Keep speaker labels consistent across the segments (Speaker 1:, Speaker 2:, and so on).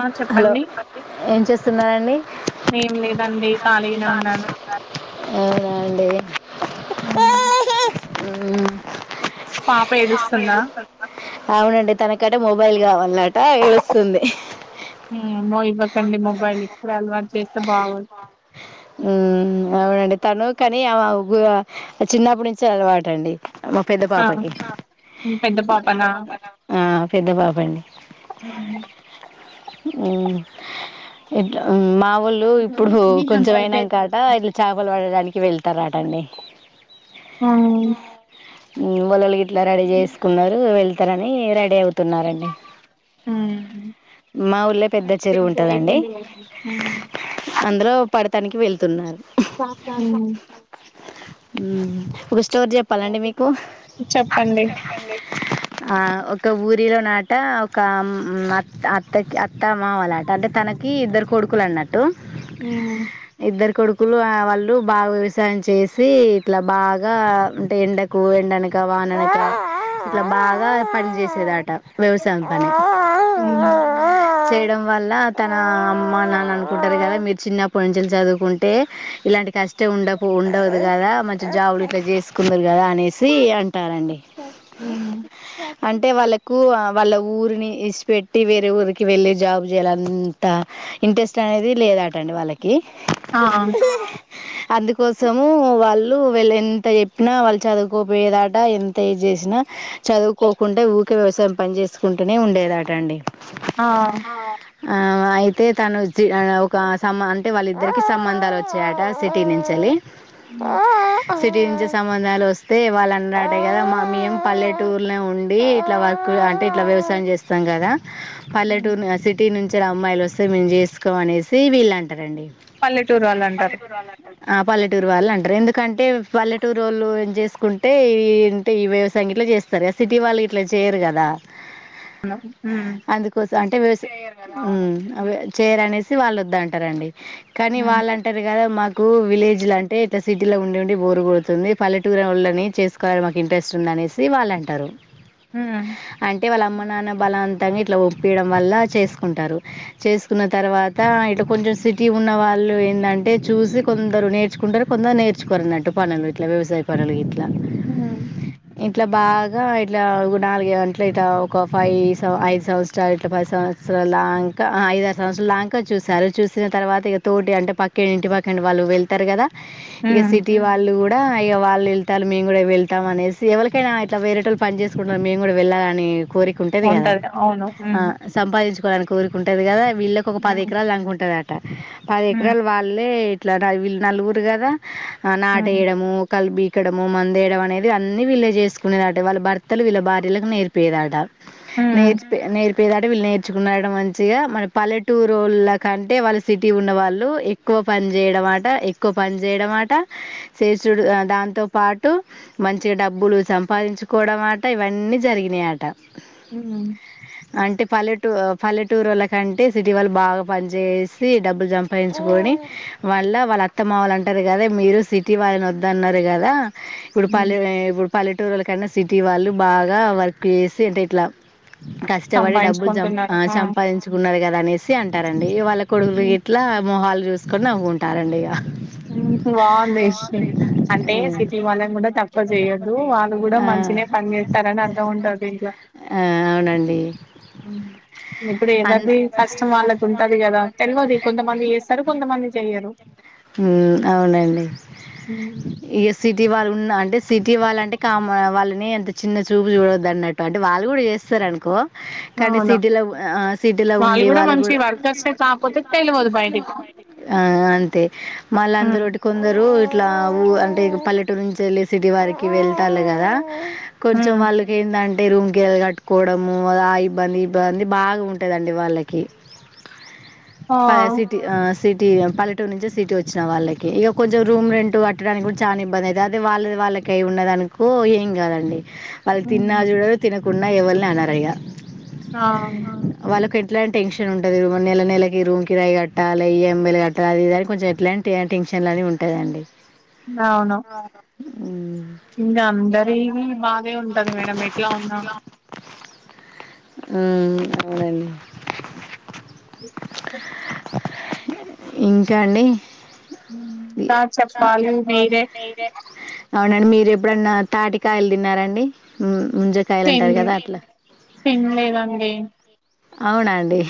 Speaker 1: ఆ
Speaker 2: హలో
Speaker 1: చెప్పండి
Speaker 2: ఏం చేస్తున్నండి
Speaker 1: ఏం లేదండి ఖాళీగానే ఉన్నాను
Speaker 2: అవునా అండి
Speaker 1: హ్మ్.
Speaker 2: ఉమ్
Speaker 1: పాప ఏడుస్తుందా
Speaker 2: అవునండి తనకంట మొబైల్ కావాలట ఏ స్తుంది
Speaker 1: ఆమ్మో ఇవ్వకండి మొబైల్ ఇప్పుడే అలవాటు చేస్తే బాగు
Speaker 2: ఉమ్ అవునండి తను కాని ఆ చిన్నప్పటి నుంచి అలవాటండి మా పెద్ద
Speaker 1: ఆ
Speaker 2: పాపకి
Speaker 1: హ్మ్. పెద్ద పాపనా
Speaker 2: ఆ పెద్ద పాపండి
Speaker 1: [unintelligible]
Speaker 2: ఉమ్ ఇట్లా ఉమ్ మా వోళ్ళు ఇప్పుడు కొంచెంమయినంక అట ఇట్ల చేపలు పట్టడానికి వెళ్తారటండి
Speaker 1: ఆ
Speaker 2: వలలు గిట్లా రెడీ చేసుకున్నారు వెళ్తారని రెడీ అవు తున్నారండి
Speaker 1: [unintelligible] అయిపొయింది కదండీ
Speaker 2: అందులో పడతానికి వెళ్తున్నారు
Speaker 1: సాసా [unintelligible]
Speaker 2: ఉమ్ ఓక స్టోరీ చెప్పాలండి మీకు
Speaker 1: చెప్పండి
Speaker 2: ఆ ఒక ఊరిలో నాట ఒకత్త అత్త అత్త మావలట అంటే తనకి ఇద్దరు కొడుకులు అన్నట్టు
Speaker 1: ఉమ్
Speaker 2: ఇద్దరు కొడుకులు వాళ్ళు బాగా వ్యవసాయం చేసి ఇట్లా బాగా అంటే ఎండకు ఎండానక వాననక ఇట్లా బాగా పని చేసేదట వ్యవసాయం పని
Speaker 1: హ్మ్.
Speaker 2: చేయడం వల్ల తన అమ్మ నాన్న లకు కదా మీరు చిన్నప్పు నుంచి లేలి చదువుకుంటే ఇలాంటి కష్టం ఉండ పొ ఉండదు గదా మంచి జాబ్ గిట్ల చేసుకుందూరు గదా అనేసి అంటారండి
Speaker 1: అవునా.
Speaker 2: అంటే వాళ్ళకు, ఆ వాళ్ళ ఊరిని ఇడిసిపెట్టి వేరే ఊరికి వెళ్ళి జాబ్ జేయాలంతా. హా ఇన్పిస్. [unintelligible] అనేది లేదటఅండి, వాళ్ళకి
Speaker 1: ఆ
Speaker 2: అందుకోసము వాళ్. ను వేళ్ ఎంత చెప్పినా, వాళ్ళు చదువుకోపోయేదాట, ఎంత ఏది చేసినా. చదువుకోకుంటే ఊకే వ్యవసాయం పని చేేసుకుంటూనే, ఉండేదట అండి.
Speaker 1: ఆ.
Speaker 2: ఆ అయితే తనుజ్. ఛీ అదే ఒక సంబ, అంటే వాళ్ళ ఇద్దరికి సంబంధాలు ఓచ్చాయట సిటీ నుంచేళ్లి.
Speaker 1: ఉమ్
Speaker 2: సిటీ నుంచి సంబంధాలు వస్తే వాళ్ళు అన్నరటే గదా మా మేం పల్లెటూర్లో ఉండి ఇట్లా వర్క్ లు ఇట్లా వ్యవసాయం చేస్తాం కదా. పల్లెటూర్ను, ఆ సిటీ నుంచి అమ్మాయిల్ ఓస్తే మేమ్ జేస్. [unintelligible] అనేసి వీళ్ అంటారండి.
Speaker 1: పల్లెటూరోళ్ళు అంటారు.
Speaker 2: ఆ పల్లెటూర్ వాళ్ అంటారు. ఎందుకంటే పల్లెటూరోళ్ళును జేస్కుంటే [unintelligible] ఈ వ్యవసాయ గిట్ల. జేస్తారు. సిటీ వాళ్ళు ఇట్లా చేయరు కదా.
Speaker 1: హుమ్మ్.
Speaker 2: అందుకోసం అంటే వ్యవసాయ్, ఉమ్ చేయరానేసి వాళ్ ఓద్దన్టారండి. కానీ,
Speaker 1: మ్
Speaker 2: వాళ్ళంటార్ గదా మాక్. కు విలేజ్లాంటే, ఇట్లా సిటీలో ఉండి ఉండి బోర్ గొడుతుంది. పల్లె టూరోళ్ళని చేసుకోవాలని మాకు ఇంట్రెస్ట్ ఉందనీ. అనేసి వాళ్ళంటారు.
Speaker 1: హుమ్మ్.
Speaker 2: టే, వాళ్ళ అమ్మ నాన్న బలవంతంగా, ఇట్లా ఒప్పియడం వల్ల చేసుకుంటారు. చేస్ కున్న తర్వాత, ఇటు కొంచెం సిటీ ఉన్న వాళ్ళు ఏందంటే చూసి కొందరు నేర్చుకుంటారు, కొందరు నేర్ నేర్కోరినట్టు పనులు, ఇట్ల వసాయ పనులు గిట్లా.
Speaker 1: హుమ్మ్.
Speaker 2: ఇట్లా బాగా, ఇట్లా నాలుగై [unintelligible] ఒక ఫైవ్ సం, ఐదు సంవత్సరాలు ఇట్ల, పది సంవత్స్. సొలాన్కా, ఆ ఐదు, ఆర్ సంవత్సరాల్ దాంక చూశారు, చూసిన తర్వాత, ఇక తోటి అంటే పక్కకనా, ఇంటి పక్కనా వాళ్ళు వెళ్తారు కదా. ఇగా
Speaker 1: మ్
Speaker 2: సిటీ వాళ్ళు గుడ్. కూడా ఇగ వాళ్ళు వెళ్తాలు, మేము కూడా వెళ్తాం అనేసి, ఎవలకైనా ఇట్లా వేరే టోల్లు పని జేసుకుంటన్నారు మేమ్ గుడా వెళ్ళాలని, కోరిక ఉంటది కదా.
Speaker 1: అవును
Speaker 2: ఆ
Speaker 1: ఉమ్
Speaker 2: సంపాదించుకోవాలని కోరిక ఉంటది గదా ఏప్, వీళ్ళకి ఒక పది
Speaker 1: ఉమ్
Speaker 2: ఎకరాలు దంగ ఉంటదట. పది
Speaker 1: ఉమ్
Speaker 2: ఎకరాలు వాళ్ళే ఇట్లా, వీళ్ళు నలుగురు గదా. ఆ
Speaker 1: ఉమ్
Speaker 2: నాటేయడము, కలిబిక్ డము, మందేయడం అనేది అన్ని, వీళ్ళే జేసుకునేది అట. వాళ్ళ భర్తలు, వీళ్ళ బా భార్యలకు నేర్పోదాట. నేర్చి నేర్పేదాట వీళ్ళు నేర్చుకున్నరాట మంచిగా, మనప్ పల్లెటూరోళ్ళ కంటే, వాళ్ళ సిటీ ఉన్న వాళ్ళు, ఎక్కువ పని జేయడమాట, ఎక్కువ పని జేయడం అట, చేసుడు దాంతో పాటు మంచి డబ్బులు సంపాదించుకోవడంమట. ఇవన్నీ జరిగినై అట.
Speaker 1: ఉహుమ్.
Speaker 2: అంటే పల్లెటూ, పల్లెటూరోలాక్, కంటే సిటీ వాళ్ళు బాగా పని జేసి, డబ్బులు సంపాదించుకొని, వాళ్ళ వాళ్ళ అత్తమావలు అంట టారు గదా, మీరు సిటీ వాళ్ళని ఓద్దన్నారు గదా, ఇప్పుడు
Speaker 1: ఉమ్.
Speaker 2: పల్లెనే ఇపుడ్ పల్లెటూరోల్ల కన్నా, సిటీ వాళ్ళు బాగా వర్క్ జేసి అంటే ఇట్లా కష్టపడి డబ్బుల్ జం, ఆ సంపాదించ్ ఉన్నారు గదా అనేసి అంటారండి. ఇగ వాళ్ళ కొడుకులు
Speaker 1: ఉమ్,
Speaker 2: గిట్లా మొహాలు జుసుకొని నవ్వుకుంటారండి ఇగ.
Speaker 1: ఉహు బాగుంది. ఇషి అంటే సిటీ వాళ్ళన్ గుడా తక్కువ చేయొద్దు, వాళ్ళు గుడా
Speaker 2: ఆ
Speaker 1: మన్ మంచిగానే పనీ జేత్తారని, అర్థం ఉంటది దింట్లా.
Speaker 2: ఆ అవునాన్
Speaker 1: ఉమ్ ఇప్పుడేమ్. ఎవరిది కష్టం వాళ్ళకి ఉంటది కదా తెల్వది కొంతమంది చేస్తారు కొంతమంది చెయ్యరు
Speaker 2: మ్ అవునండి
Speaker 1: ఉమ్.
Speaker 2: ఎసిటీ వాళ్ళు ఉన్న అంటే సిటీ వాళ్ళ అంటే కామ్ వాళ్ళని ఎంత చిన్న చూపు చూడవదు అన్నట్టు అంటే వాళ్ళు కూడా చేస్తారు అనుకో కానీ
Speaker 1: అవును
Speaker 2: సిటీలో వ్యా
Speaker 1: వాళ్ళు కూడా మంచి వర్కర్సే కాకపోతే తెల్వదు బయటికి
Speaker 2: ఆ అంతే మళ్ళ
Speaker 1: ఉమ్
Speaker 2: అందరూటి కొందరు ఇట్లా ఊ అంటే పల్లెటూరు నుంచి వెళ్ళే సిటీ వారికి వెళ్తారు కదా కొంచెం
Speaker 1: ఉమ్
Speaker 2: వాళ్ళకి ఏంటంటే రూమ్కి వె కట్టుకోవడము ఆ ఇబ్బంది ఇబ్బంది బాగా ఉంటు దండి వాళ్ళకి
Speaker 1: ఆ
Speaker 2: పర్సిటి పర్ టి. పల్లెటూర్ నుంచి సిటీ ఓచ్చిన వాళ్ళకి. ఇగ కొంచెం రూమ్ రెంట్ కట్టడానికి గుడా చానా ఇబ్బంది అయితది. అదే వాళ్ళది వాళ్ళక్ కై ఉన్నదనుకో ఏం కాదండి. వాళ్ళు తిన్నా
Speaker 1: ఉమ్
Speaker 2: చూడరు, తినకున్న ఎవలిని అనారయా.
Speaker 1: ఆ
Speaker 2: వాళ్ళకి ఎట్లాంటి టెన్షన్ ఉంటది నెల నెలకి రూమ్ కిరాయి కట్టాల ఎంలు కట్టాల అది కొంచం ఎట్లాంటి గ టెన్షన్లన్ని ఉంటదండి
Speaker 1: అవును
Speaker 2: ఉమ్
Speaker 1: ఇంకా అందరివి బాధే ఉంటది మేడం ఎట్లా ఉన్నా
Speaker 2: హ్మ్ అను
Speaker 1: ఓ
Speaker 2: ఇంకా అండి
Speaker 1: ఇంకా చెప్పాలి మీరే
Speaker 2: అవునండి మీ ఎప్పుడన్నా తాటికాయలు తిన్నారండి హ్మ్ ముంజకాయలు
Speaker 1: తిన్
Speaker 2: అంటారు కదా అట్లా
Speaker 1: తినలేదండి
Speaker 2: అవునా అండి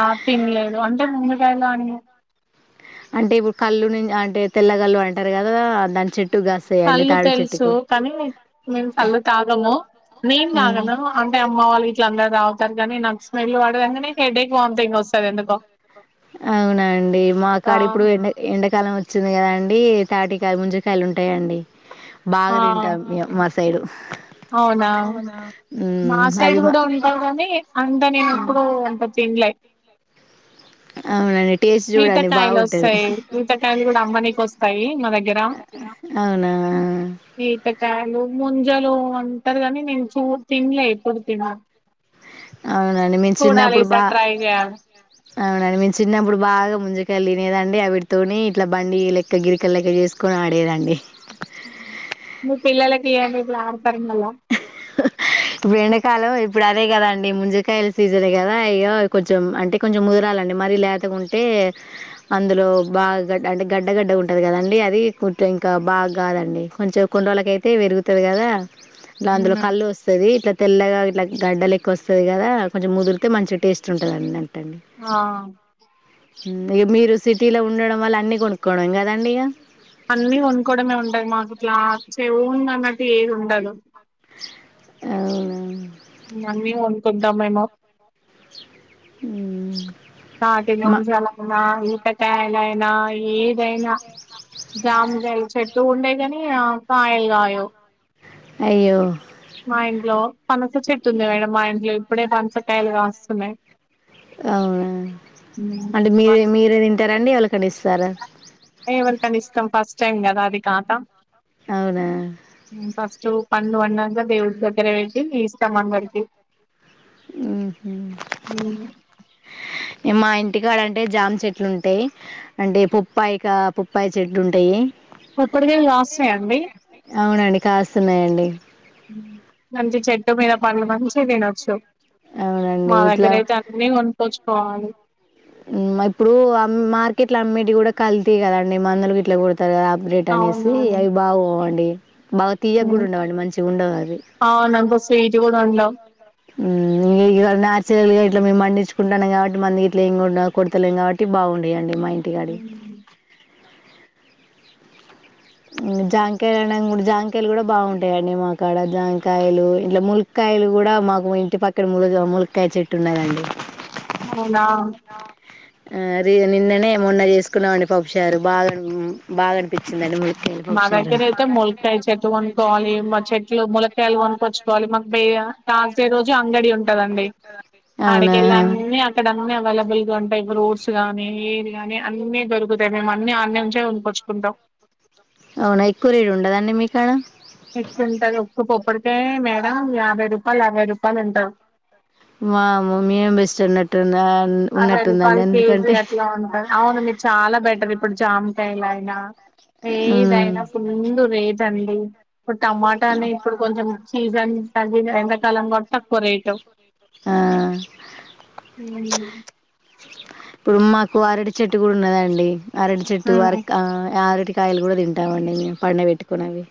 Speaker 1: ఆ తిన్లేదు అంటే ముంజకాయల అని
Speaker 2: అంటే ఇప్పుడు కళ్ళు ను అంటే తెల్లగళ్ళు అంటారు కదా దాని చెట్
Speaker 1: కళ్ళు తెలుసు కానీ మేము కళ్ళు తాగము నేన్ తాగను అంటే అమ్మ వాళ్ళు ఇట్ల అందరు తా దగనీ నాకు స్మెల్ పడదంగానే హెడ్డేక్ వాథింగ్ వస్తుంది ఎందుకో
Speaker 2: అవున అండి మా
Speaker 1: ఆ
Speaker 2: కాడ ఇప్పుడు ఎండ ఎండ కాలం వచ్చింది కదా అండి తాటికాయలు ముంజకాయలు ఉంటాయండి బాగా
Speaker 1: ఆ
Speaker 2: తింటాం మా సైడు
Speaker 1: అవునా మా
Speaker 2: ఉమ్, అవి
Speaker 1: సైడ్
Speaker 2: మా
Speaker 1: కూడా ఉంటావు కాని అంట నేను
Speaker 2: ఆ,
Speaker 1: ఎప్పుడ అంత తి లై
Speaker 2: అవునండి టేస్ట్ చూడండి
Speaker 1: ఈతకాయలు
Speaker 2: బాగుంటది
Speaker 1: వస్తాయి ఈతకాయలు కూడా అమ్మనీక వస్తాయి మా దగ్గర
Speaker 2: అవునా
Speaker 1: ఈతకాయలు ముంజలు కొంటరు గాని నేను చూ తినలే ఎప్పుడు తినాలి
Speaker 2: అవునాండి మేము చిన్నప్పుడు బా
Speaker 1: ఈసారి ట్రై చేయాలి
Speaker 2: అవునాండి మేము చిన్నప్పుడు బాగా ముంజకాయల్ తినేదండి అవిటితోని ఇట్లా బండి లెక్క గిరికెల లెక్క చేసుకుని ఆడేదండి
Speaker 1: మీ పిల్లలకి ఇయండి ఇప్పుడు ఆడతార మళ్ళా
Speaker 2: ఇప్పుడు ఎండకాలం ఇప్పుడు అదే కదా అండి ముంజకాయల సీజన్ కదా ఇగ కొంచెం అంటే కొంచెం ముదురల దండి మరి లేతగుంటే అందులో బాగడ్ అంటే గడ్డగడ్డ ఉంటది కదండి అది అ ఇంకా బాగా కాదండి కొంచెం కొన్ని రోల్లకయితే అయితే పెరుగుతుంది కదా ఇ అందులో కళ్ళు వస్తుది ఇట్లా తెల్లగా ఇట్లా గడ్డలెక్క వస్తది కదా కొంచెం ముదిరితే మంచి టేస్ట్ ఉంటుదండి అ టని
Speaker 1: ఆ
Speaker 2: ఇ మీరు సిటీలో ఉండడం వల్ల అన్ని కొనుక్కోవడం కదండి ఇక
Speaker 1: అన్నీ కొనుకోవడమే ఉంటది మాకు ఇట్లా చె ఉంద అన్నట్టు ఏది ఉండదు
Speaker 2: అవు
Speaker 1: ఇగ అన్నీ అనుకుంటాంమ్ ఏమో
Speaker 2: మ్మ్.
Speaker 1: కాట [inaudible]
Speaker 2: మా
Speaker 1: న్నా అనుకున్నా ఈతకాయల్ అయినా ఏ దైనా జాముగాయలు చెట్టు ఉండయి గాని ఆ కాయల్ గాయవు
Speaker 2: అయ్యో
Speaker 1: మా ఇంట్లో పనస చెట్టు ఉంది మేడంమ్ మా ఇంట్లో ఇప్పుడే పనసకాయలు కాస్తున్నాయి
Speaker 2: అవును అంటే మీరే మీరే తింటారఅండి వాళ్ళకి
Speaker 1: ఎవరికని ఇస్తాం ఫస్ట్ టైమ్ కదా అది ఖాతా
Speaker 2: అవునా
Speaker 1: ఫస్టూ పన్ను వన్నాగా దేవుడి దగ్గర వేసి ఇస్తాం అందరికి
Speaker 2: మ్మ్హ్మ్.
Speaker 1: ఉమ్
Speaker 2: మా ఇంటికాడ అంటే జామ చెట్లు ఉంటాయి అంటే పుప్పాయి కా పుప్పాయి చెట్లు ఉంటాయి
Speaker 1: కొబ్బరికాయలు కాస్తాయండి
Speaker 2: అవునండి కాస్తున్నాయండి
Speaker 1: మంచి చెట్టు మీద పనులు మంచి తినొచ్చు
Speaker 2: అవునండి
Speaker 1: మా
Speaker 2: ఇట్లా
Speaker 1: దగ్గర అయితే అన్ నువ్వే కొనుకోవచ్చుకోవాలి
Speaker 2: మ్ మర్ ఇప్పుడు మార్కెట్లు అమ్మేటి కూడా కల్తీ కదా అండి మా మందరికి ఇట్లా కూడ తదా ఆపరేట్ అనేసి
Speaker 1: అవునవును
Speaker 2: అవి బాగోవండి బాగా తీయక్ కూడా ఉండవు అండి మంచి గ ఉండవు అది
Speaker 1: అవునంత స్వీట్ కూడా ఉండవు
Speaker 2: మ్ ఇగ న్యాచ్ రల్గా ఇట్లా మేము మడించుకుంన్నా నయఆడ్డ్ మంది. ఇట్లేం గుండా కుడతలేం కాబట్టి బాగుండేయండి మా ఇంటికాడి ఇ జామ్ కాయలు అన్నా కూడా జామ్ కాయలు కూడా బావుంటాయ అండి మా కాడ జామ్ కాయలు ఇట్లా ములక్కాయ్ కాయలు కూడా మాకు ఇంటి పక్కన ము ములక్కాయ్ చెట్టు ఉన్నాద అండి
Speaker 1: అవునా
Speaker 2: ఆ రేజన్ నిన్ననే మొన్న చేసుకున్నామండి పపుచారు బాగా బాగా అనిపించ్చిద అండి ము
Speaker 1: మా దగ్గర అయితే ములక్కాయ్ చెట్టు వనుక్కోవాలి మా చెట్లు ములక్కాయలు వక్కొచ్చుకోవాలి మాకుయ ఇగ కాల్ చే రోజు అంగడి ఉంటద అండి
Speaker 2: అవునా
Speaker 1: అడకేళ్ళ అన్నిీ అక్కడ అవైలబుల్ లూ అంటే రోడ్స్ కానీ ఏది గాని అన్ని దొరుకుతాయి మేము అన్ని అన్ని ఆడ్నుంచే కోనుకోచ్చుకుంటామ్
Speaker 2: అవునా ఎక్కువ రేడ్ ఉండదఅండి మీక్ ఆడ
Speaker 1: ఎక్కు ఉంటాది ఒక్ పొప్పు అంటే మేడం యాభై రూపాయలు ఆర్ భై రూపాయలు అంటా
Speaker 2: వామ్మో మేమ్ బేస్ట్ ఉన్నట్ట్ ఉందే
Speaker 1: అవే రూపాయలు కేజీ ఎట్లా ఉంటంది అవును మీరు చాలా బెటర్ ఇప్పుడు జామ్ కాయలు అయినా
Speaker 2: మ్మ్.
Speaker 1: ఏదైఅయినా ఫుల్లు రేటంఅండి ఇప్పుడు టమాటా అని ఇప్పుడు కొంచెం సీజన్ తగిన ఎండాకాలం మొత్తం కొరైటమ్
Speaker 2: ఆ,
Speaker 1: హ్ము
Speaker 2: ఇప్పుడు మాకు అరడి చెట్టు కూడా ఉన్నద అండి ఆరడి చెట్టు ఆరక్క యారటి కాయలు కూడా తింటామ అండి మేము పండ పెట్టుకున్నవి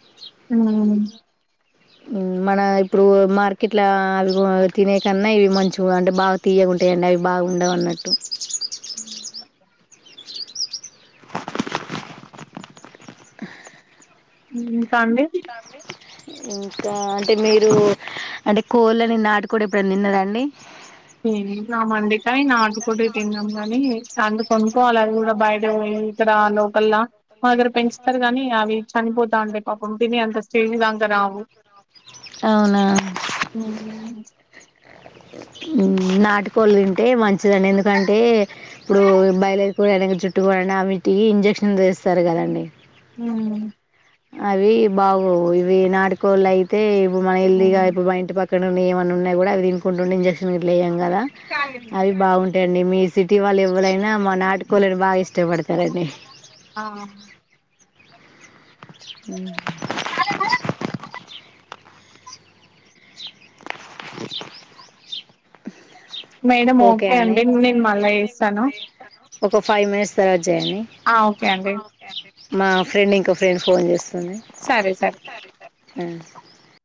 Speaker 1: హ్మూ
Speaker 2: మన ఇప్పుడు మార్కెట్ లా అవి గో తినే కన్నా ఇవి మంచి వండి బాగా తీయకుం టే నైట్ బాగుండవు అన్నట్టు
Speaker 1: [inaudible]
Speaker 2: [unintelligible]
Speaker 1: హు పండేటి
Speaker 2: టవ్వి ఇంకా అంటే మీరు అంటే కోళ్ళని నాటుకోడి ఎప్పుడున్న తిన్నారఅండి స
Speaker 1: [inaudible] తం మండి కని నాటుకోడి తిన్నాం కాని అంత కొనుకోోవాల అది కూడా బయట పోయి ఇక్కడ లోకల్లా మా దగ్గర పెంచుతారు గాని అవి చనిపోతా అన్ ఆ పంపిని అంత స్టేజ్ దాంకరావు
Speaker 2: అవునా నాటికోళ్ళు తింటే మంచిదఅండి ఎందుకంటే ఇప్పుడు బయలుేరి కోడి అనేదీ జుట్టు వండ ఆమిటి ఇంజెక్షన్ చేస్తారు కద అండి
Speaker 1: మ్మ్
Speaker 2: అవి బాగోవు ఇవి నాటికోళ్ళ అయితే ఇ మన ఇల్దిగా ఇ బు ఇంటి పక్క కనుండి ఏమన్న ఉన్నయ్ గూడా అవి తినుకుంటుండి ఇంజెక్షన్ ఇట్ల ఇయం గదా అవి బాగుంటయండి మీస్ సిటీ వాళ్ళు ఎవ్వలైనా, మా నాటుకోళ్ళని బాగా ఇష్టపడుతారండి. ఉం
Speaker 1: మేడం ఓకే అంటే నేను మళ్ళా ఏస్సాను
Speaker 2: ఒక ఫైవ్ మినిట్స్ తర్వాత జేయండి,
Speaker 1: ఓకే అండి
Speaker 2: మా ఫ్రెండ్ ఇంకో ఫ్రెండ్ ఫోన్ చేస్.
Speaker 1: సరే సరే
Speaker 2: ఉ